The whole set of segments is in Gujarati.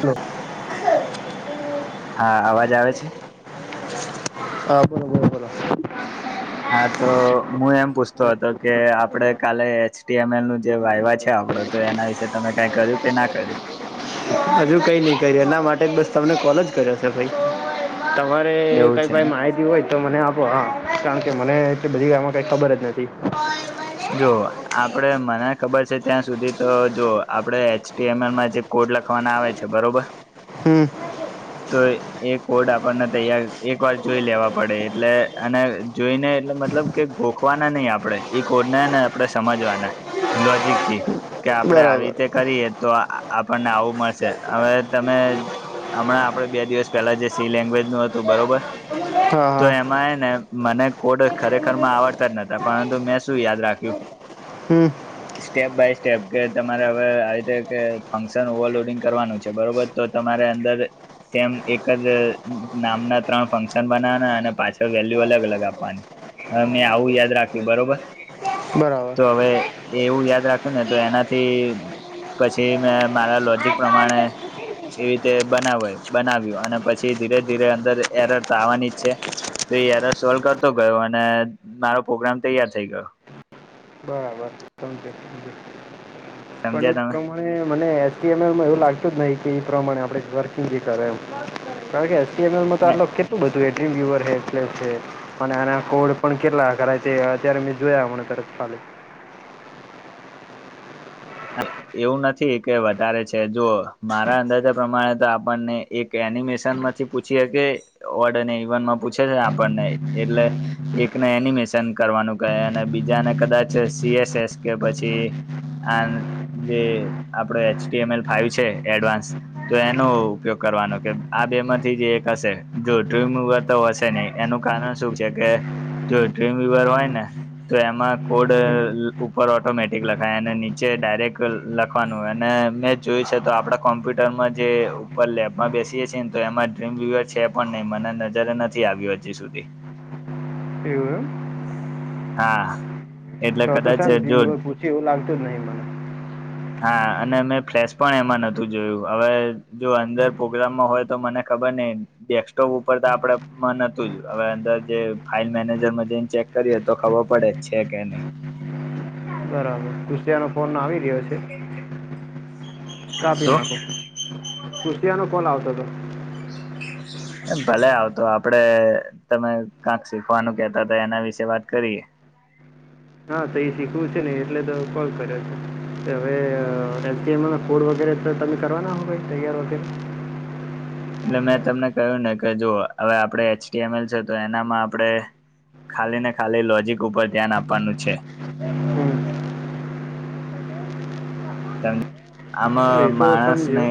હલો. [unintelligible] હા, અવાજ આવે છે? હા, બોલો, બોલો, બોલો. હા, તો મું એમ પૂછતો હતો કે આપડે કાલે એચટીએમએલનું જે વાયવા છે, આપડ તો એના વિશે તમે કાઈ કર્યુ કે ના કર્યું? હજુ કઈ ની કર્યુ એના માટે બસ તમને કોલ જ કર્યો છે, ભઈ. તમારે એવું કઈ છે પાએ એમ. માહિતી હોય તો મને આપો. હા, કારણ કે મને બધી આમાં કઈ ખબર જ નથી. જો આપડે મને ખબર છે, ત્યાં સુધી તો જો આપડે એચટીએમએલમાં જે કો લખવાના આવે છે, બરોબર. હમ તો એ કોડ આપણને તૈયાર એક વાર જોઈ લેવા પડે એટલે અને જોઈને એટલે મતલબ મતલબ કે ગોખવાના નહીં આપણે એ કોદને ને આપણે સમજવાના લોજિકથી કે આપડે આવી બરાબર રીતે કરીએ તો આ આપણને આવું મળશે હવે તમે હમણાં આપ બે દિવસ પહેલા જે સી લેંગ્વેજ નું હતું બરોબર હા તો હા એમાં એ ને મને કોડ ખરેખર માં આવડતા જ નતા પરંતુ મેં શું યાદ રાખ્યું હમ સ્ટેપ બાય સ્ટેપ કે તમારે હવે આવી રીતે ફંક્શન ઓવરલોડિંગ કરવાનું છે બરોબર તો તમારે અંદાઝે [unintelligible] સમ એક જ નામના ત્રણ ફંક્શન બનાવાના અને પાછડ વેલ્યુ અલગ અલગ આપવાની. હા મેં આવું યાદ રાખ્યું બરોબર બરાબર તો હવે એવું યાદ રાખ્યું ને તો એનાથી પછી મેં મારા લોજિક પ્રમાણે બરાબર સમજ્યો એવી રીતે બનાવાયુ બનાવ્યું અને પછી ધીરે ધીરે અંદર એરર તો આવવાની છે. તો એરર સોલ્વ કરતો ગયો અને મારો પ્રોગ્રામ તૈયાર થઈ ગયો. બરાબર [unintelligible] સમ સમજ્યા તમે અચ. ટી. એમ. એલમાં એવ લાગતું જ નહી કે એ પ્રમાણે આપડે ઘર થી [unintelligible] જે કરે એમ કારણ કે ટી. એમ. એલમાં તો કેટલુ બધું તો એ ડ્રીમ વ્યુવર હે [unintelligible] ટ્લે છે અને આના કોડ પણ કેટલા કરાય તે અત્યારે મેં જોયા મને તરત હાલો એવું નથી કે વધારે છે જો મારા અંદાજા પ્રમાણે તો આપણને એક એનિમેશન માંથી પૂછી હકે ઓડ અને ઇવેન પૂછે છે આપણને એટલે એકને એનિમેશન કરવાનું કહે અને બીજાને કદાચ સીએસ એસ કે પછી અ જે આપડો H T M L five છે એડવાન્સ તો એનો ઉપયોગ કરવાનો કે આ બે માંથી જ એક હશે જો ટ્રીમવર તો હશે નહી એનું કારણ શું છે કે જો ટ્રીમ વિવર હોય ને તો એમાં કોડ ઉપર ઓટોમેટિક લખાય અને નીચે ડાયરેક્ટ લખવાનુંય અને મેં જોયું છે તો આપણા કોમ્પ્યુટરમાં જે ઉપર લેબમાં બેસી તો એમાં ડ્રીમ વિવર છે પણ નહી મને નજર નથી આવ્યું હજી સુધી એવું એમ હા એટલે તો તો કદાચ છે ને સિ જો [unintelligible] પૂછી એવું લાગતું જ નહી મને હા અને મેં ફ્લેસ પણ એમાં નતું જોયું હવે જો અંદર પ્રોગ્રામમાં હોય તો મને ખબર નહીં. ડેસ્કટોપ ઉપર આપતું હ હવે અદર જે ફાઈલ મેનેજર ને ચેક કરીએ તો ખબર પડે છે કે નહી બરાબર કુશિયા નો ફોન આવી રહ્યો છે. કાપી શું નાખો કુશિયા નો ફોન આવતો તો એ ભલે આવતો આપડે તમે ક્યાક શીખવાનું કેતા હતા એના વિશે વાત કરીએ. [inaudible] હા તો એ શીખવું છે ને એટલે તો કોલ કર્યો છે હવે H T M L code વગેરે સર તમે કરવાના હો ભાઈ તૈયાર વગેરે એટલે મેં તમને કહ્યું ને કે જો હવે આપણે એચડીએમ એલ છે તો એનામાં આપણેે ખાલી ને ખાલી લોજીક ઉપર ધ્યાન આપવાનું છે. [inaudible] [unintelligible] આમાં એ તો માણસને સમજ્યો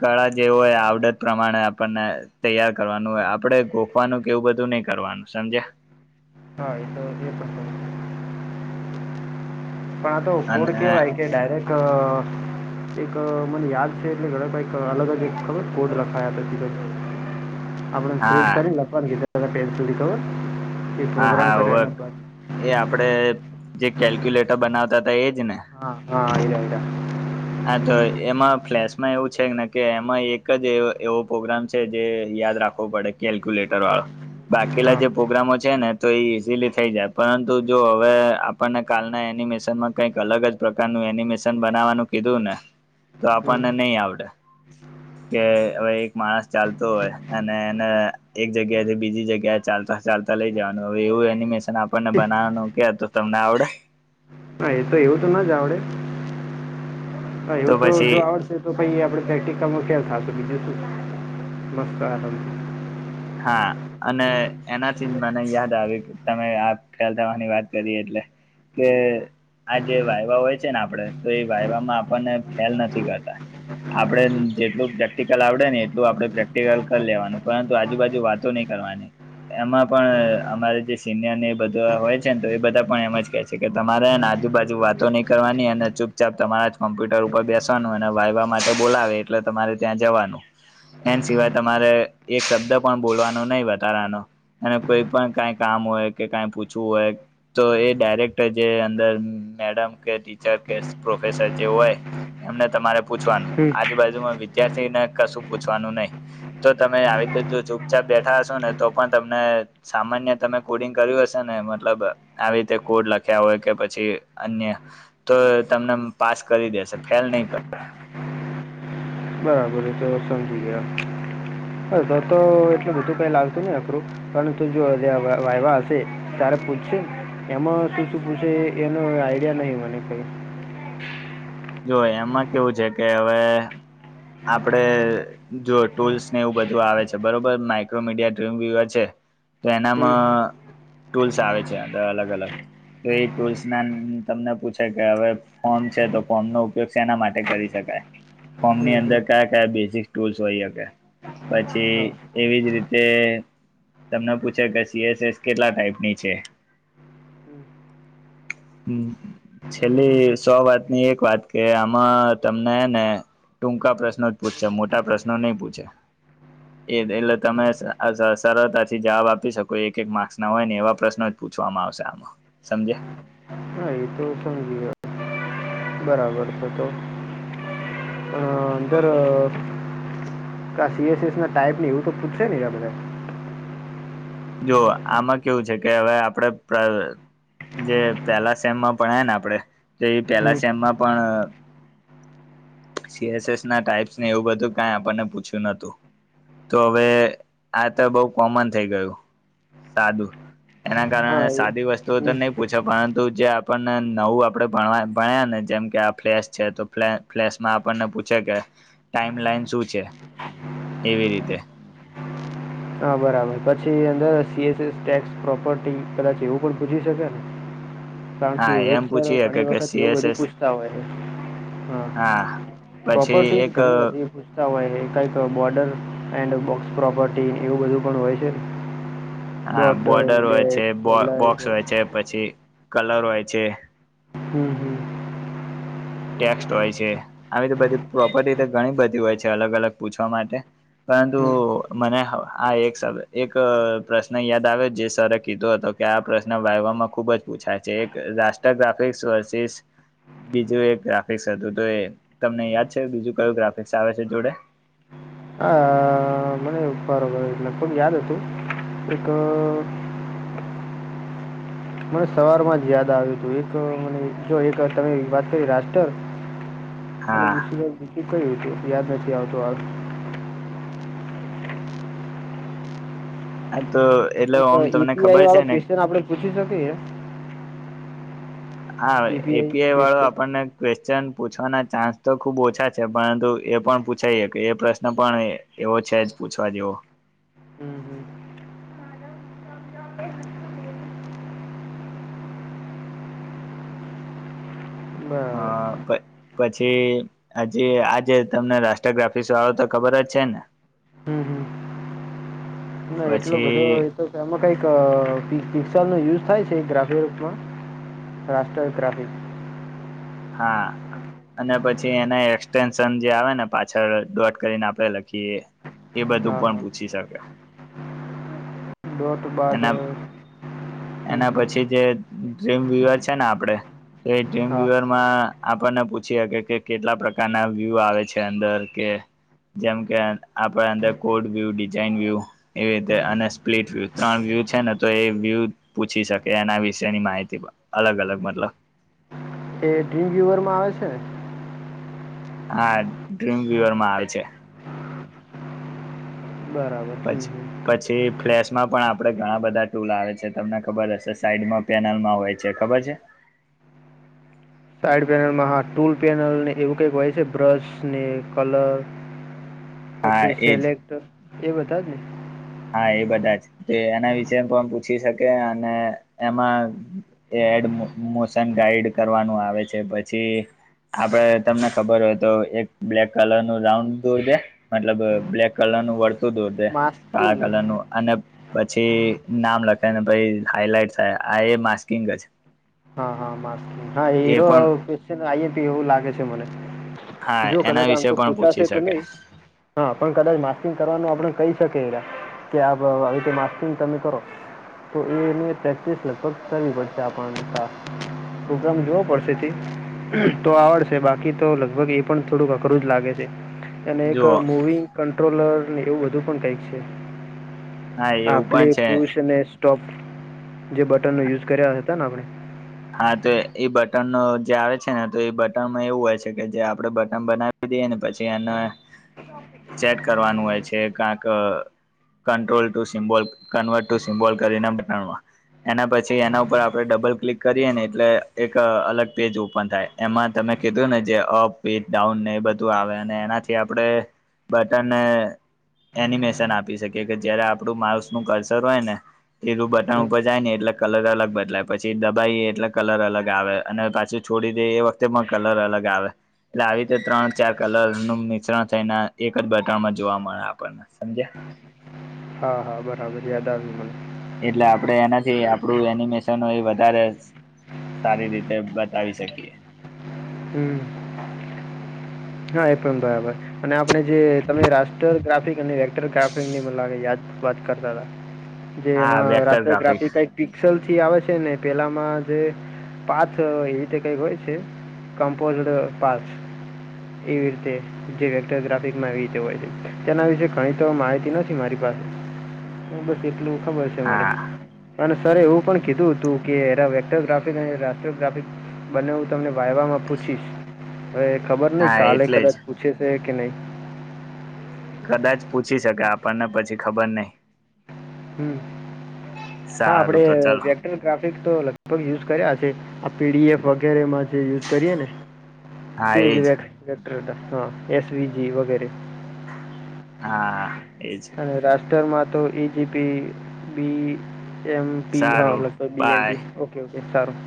કળા જેવું હોય આવડત પ્રમાણે આપણને તૈયાર કરવાનું હોય આપડે ગોખવાનું કેવું બધું નહી કરવાનું સમજ્યા. હા એ તો પણ આ તો કુડ અને કેવાય કે ડાયરેક્ટ એક મને યાદ છે એટલે ઘણાભાઈ એક અલગ જ એક ખબર કોડ લખાયા હતા. આપણે પ્રિટ હા કરીને લખવા નું [unintelligible] ્ધ પેજ સુધી ખબર હ હા હા ઓવે એ આપડે જે કેલ્ક્યુલેટર બનાવતા હતા એજ ને હા હા એરા એરા હા તો એમાં ફ્લેશ માં એવું છેને કે એમાં એક જ એવો પ્રોગ્રામ છે જે યાદ રાખવો પડે કેલ્ક્યુલેટર વાળો બાકીલા હા જે પ્રોગ્રામો છે છે ને તો એ ઈઝીલી થઈ જાય પરંતુ જો હવે આપણને કાલના એનિમેશનમાં કઈક અલગ જ પ્રકારનું એનિમેશન બનાવવાનું કીધું ને તો હમ આપણને નહી આવડે કે હવે એક માણસ ચાલતો હોય અને એને એક જગ્યાથી બીજી જગ્યા ચાલતા ચાલતા લઈ જવાનું હવે એવું એનિમેશન આપણને બનાવાનું કે તો તમને આવડે હા એ તો એવું હતું ના જ આવડે હા એવું તો જો આવડશે તો પહી આપડે પ્રેક્ટીકલ મા ફેલ થશ બીજું નમસ્કારમ હા અને એનાથી મને યાદ આવે કે તમે આ ફેલ થવાની વાત કરી એટલે કે આ જે વાયવા હોય છે ને આપડે તો એ વાય માં આપણને ફેલ નથી કરતા આપડે જેટલું પ્રેક્ટિકલ આવડે ને એટલું આપડે પ્રેક્ટિકલ કરી લેવાનું પરંતુ આ આજુ બાાજુ વાતો નહી કરવાની એમાં પણ અમારે જે સિનિયર ને એ બધું હોય છેને તો એ બધા પણ એમ જ કે છે કે તમારે હે ન આજુબાજુ વાતો નહીં કરવાની અને ચૂપચાપ તમારા જ કોમ્પ્યુટર ઉપર બેસવાનું અને વાયવા માટે બોલાવે એટલે તમારે ત્યાં જવાનું એન સિવાય તમારે એક શબ્દ બોલવાનું નહી વધારાનું અને કોઈ પણ કઈ કામ હોય કે કઈ પૂછવું હોય તો એ પણ ડાયરેક્ટર જે અંદર મેડમ કે ટીચર કે પ્રોફેસર જે હોય એમને તમારે પૂછવાનું હમ આજુ બાાજુ વિદ્યાર્થીને કશું પૂછવાનું નહી તો તમે આવી તે જો જો ચા બેઠા હશો ને તો પણ તમને સામાન્ય તમે કોડિંગ કર્યું હશે ને મતલબ આવી રીતે કોડ લખ્યા હોય કે પછી અન્ય તો તમને પાસ કરી દેશે ફેલ નહી કર બરાબર છે સમજી ગયા. હ તો તો એટલું બધું કઈ લાગતું નય અઘરું પરંતુ જોં વાઇવા હશે ત્યારે પૂછ એમાં શું શું પૂછે એનો આઈડિયા નહિ મને કઈ જો એમાં કેવું છે કે હવે આપડે જો ટૂલ્સ ને એવું બધું આવે છે બરોબર માઈક્રોમીડિયામ [unintelligible] છે તો હમ એનામાં ટૂલ્સ આવે છે અંદર અલગ અલગ તો એ ટૂલ્સ ના તમને પૂછે કે હવે ફોન છે તો ફોર્મ નો ઉપયોગ શેના ના માટે કરી શકાય ફોર્મ ની હમ હમ અંદર કયા કયા બેઝિક ટૂલ્સ હોઈ શકે પછી હા એવીજ રીતે તમને પૂછે કે સીએસએસ કેટલા ટાઈપની છે. હમ્મ હમ્મ છેલ્લી સો વાતની એક વાત કે આમાં તમને હે ને ટૂંકા પ્રશ્નો જ પૂછશે મોટા પ્રશ્નો નહી પૂછે એ એટલે તમે સરળતાથી જવાબ આપી શકો એક એક માર્સ ના હોય ને એવા પ્રશ્નો જછ પૂછવામાં આવશે આમાં સમજયા હા એ તો સમજી ગયો બરાબર છે તો પણ અંદર સીએસએસ ના ટાઈપ એવું તો પૂછસે નેે અપડે જો આમાં કેવું છે કે હવે આપણેે [unintelligible] જે પેલા સેમમાં પણાય ને આપડે તો એ હમ પેલા સેમમાં પણ સીએસએસ ના ટાઈપ્સને એવું બધું કઈ આપણને પૂછ્યું નતું તો હવે આ તો બહુ કોમન થઈ ગયું સાદું એના હા કારણે એ સાદી વસ્તુઓ તો હમ નહી પૂછે પરંતુ જે આપણને નવું આપડણે ભણ ભણ્યા ને જેમ કે આ ફ્લેસ છે તો ફ્લ ફ્લેશમાં આપણને પૂછે કે ટાઈમ લાઈન શું છે, એવી રીતે હા બરાબર પછી અંદર સીએસએસ ટેક્સ પ્રોપર્ટી કદાચ એવું પણ પૂછી શકે ને કારણ કે હા એ જ એમ સર પૂછીએ ઘણી કે કે વખત એવું બધું સીએસએસ પૂછતા હોય હે હા પછી પ્રોપર્ટી એક ઘણી બધી પૂછતા હોય હે કઈક બોર્ડર એન્ડ બોક્સ પ્રોપર્ટી એવું બધું પણ હોય છે. હા ડોટ બોર્ડર હોય છે, ડેશ સોલર બોક્સ હોય છે, પછી કલર હોય છે હમ્મ હમ્મ ટેક્સ્ટ હોય છે આવી તો બધી પ્રોપર્ટી ઘણી બધી હોય છે અલગ અલગ પૂછવા માટે પરંતુ હમ મને આ એક શબ્દ, એક પ્રશ્ન યાદ આવે જે સર રે કીધો હતો કે આ પ્રશ્ન વાઇવામાં ખુબ જ પૂછાય છે એક રાષ્ટ્રગ્રાફિકસ વર્સિસ બીજું એક ગ્રાફિક્સ હતું તો એ તમને યાદ છે બીજું કયું ગ્રાફિક્સ આવે છે જોડે આ લગભગ યાદ હતો હતું એક મને સવાર માં જ યાદ આવ્યું હતું એક મને જો એક તમે વાત કરી રાષ્ટર અને હા ઇ સિવાય બીજું કયુ હતું યાદ નથી આવતું આ હા તો એટલે એક ઓમ તમને ઈપીઆઈ ખબર છે વાળો ને ક્વેશ્ચન આપડે પૂછી શકીએ હા ઈપીઆઈ એપીઆઈ વાળો આપણને ક્વેશ પૂછવાના ચાન્સ તો ખુબ ઓછા છે પરંતુ એ પણ પૂછાય હકે એ પ્રશ્ન પણ એવો છે જ પૂછવા જેવો હમ હમ બરાબર અને પછી હજી આજે તમને રાષ્ટ્રર ગ્રાફિકસ વાળો તો ખબર જ છે ને હમ હમ ના એટલો પછી બધો એ તો એમાં કઈક શિક્ષણનો યુઝ થાય છે ગ્રાફિક રૂપમાં રાષ્ટ્રીય ગ્રાફિક હા અને પછી એને એક્સટેન્શન જે આવે ને પાછળ ડોટ કરીને આપણે લખીએ એ બધું હા પણ હા પૂછી શકે ત્યાર બાદ એના એના હમ પછી જે ડ્રીમ વિવર છે ને આપડે તો એ ટ્રીમ હા વિવરમાં આપણને પૂછી શકે કે કેટલા પ્રકારના વ્યૂ આવે છે અંદર કે જેમ કે આપણે અંદર કોડ વ્યૂ ડિઝઇન વ્યૂ એવી રીતે અને સ્પ્લિટ વ્યુ ત્રણેય છે ને તો એ વ્યુ પૂછી શકે એના વિશેની માહિતી અલગ અલગ મતલબ ડ્રીમ વ્યુવર માં આવે છે હા ડ્રીમ વ્યુવર માં આવે છે. બરાબર હમ પછી હમ પછી ફ્લેશ પણ આપે ઘણા બધા ટુલ આવે છે, તમને ખબર હશે સાઈડમાં પેનલમાં હોય છે, ખબર છે. હમ સાલમાં હા ટુલ પેનલને એવું કઈક હોય છે બ્રશ ને કલર હા પછી એજ સેલેક્ટ એ બધા જ ને હા એ બધા જ તે એના વિશે પણ પૂછી શકે અને એમાં એ એડ મો મોશન ગાઈડ કરવાનું આવે છે પછી આપડે તમને ખબર હોય તો એક બ્લેક કલર નું રાઉન્ડ દૂર દે મતલબ બ્લેક કલર નું વળત દોર દે કાળા માસ્કિંગ કલર નું અને પછી નામ લખેને પછી હાઈલાઈટ થાય આ એ માસ્કિંગ જ હાસ્ હા એ હીરો પણ એવું લાગે છે મને હા જો એના કદાચ આમ વિશે તો પણ પૂછી પૂછાશે તો શકે નહી હા પણ કદાચ માસ્કિંગ કરવાનું આપણે કહી શકીએ એ કે આતે માસ્કિંગ તમે કરો તો એને પ્રેક્ટિસ લગભગ કરવી પડશે આપણે પ્રોગ્રામ જોવો પડશે તો આવડશે બાકી તો લગભગ એ પણ થોડુંક અઘરું જ લાગે છે અને એક જુઓ મુવિંગ કંટ્રોલર એવું બધું પણ કઈક છે હા એવું આપલી પણ છે પુષ અને સ્ટોપ જે બટનનો યુઝ કર્યા હતા ને આપણે હા તો એ બટન નો જે આવે છે ને તો એ બટનમાં એવું હોય છે કે જે આપડે બટન બનાવી પછી એને ચેટ કરવાનું હોય છે ક્યાક ક્નવટૅ ટુ સિમ્બોલ કરીને બનાવવા એના પછી એના ઉપર આપણે ડબલ ક્લિક કરીએ ને એટલે એક અલગ પેજ ઓપન થાય એમાં તમે કીધું ને જે અપ પેજ ડાઉન ને બધું આવે અને એનાથી આપણેે બટનને એનિમેશન આપી શકીએ કે જયારે આપણું માઉસ નું કરસર હોય ને એલું બટન ઉપર જાય ને એટલે કલર અલગ બદલાય પછી દબાવી એટલે કલર અલગ આવે અને પાછી છોડી દે એ વખતે પણ કલર અલગ આવે એટલે આવી રીતે ત્રણ ચાર કલર નું મિશ્રણ થઈને એક જ બટનમાં જોવા મળે આપણને સમજયા હા હા બરાબર યાદ આવ્યું મને એટલે આપડે એનાથી આપડું એનિમેશન હોય એ વધારે સારી રીતે બતાવી શકીએ હમ હા એ પણ બરાબર અને આપણે જે તમે રાષ્ટરગ્રાફિક મ યાદ વાત કરતા હતાા જે હા એમાં વેક્ટર ગ્રાફિક રાસ્ટરગ્રાફિક કઈ પિક્સલ થી આવે છે ને પેલામાં જે પાંચ એ રીતે કઈ હોય છે કમ્પોઝડ પારસ એવી રીતે જે વેક્ટરગ્રાફિકમાં એવી રીતે હોય છે તેના વિશે ધણી તો માહિતી નથી મારી પાસે હ બસ એટલું ખબર છે હા મને સર એવું પણ કીધું હતું કે વેક્ટરગ્રફિક અને રાષ્ટરગ્રાફિક બનેવું તમને વાઈવા માં પૂછીશ હવે ખબર નહિ હા કાલે એટલે જ કદાચ પૂછે છે કે નહી કદાચ પૂછી શકે આપણને પછી ખબર નહી હ હા આપણે સારું તો ચાલો વેકટરગ્રાફિક તો લગભગ યુઝ કર્યા છે આ પીડીએફ વગેરેમાં જે યુઝ કરીએ ને હા તે જ એજ વેક હા એસવીજી વગેરે હા એજ અને રાષ્ટર માં તો ઈજપી બી એમપી હ સારું લગભગ બી બાય એમપી ઓકે ઓ એ સારું